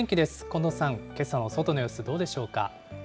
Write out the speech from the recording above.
近藤さん、けさの外の様子、どうでしょうか。